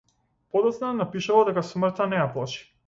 Подоцна напишала дека смртта не ја плаши.